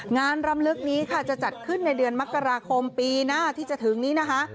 รำลึกนี้ค่ะจะจัดขึ้นในเดือนมกราคมปีหน้าที่จะถึงนี้นะคะ